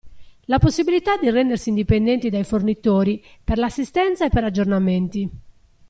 La possibilità di rendersi indipendenti dai fornitori per l'assistenza e per aggiornamenti.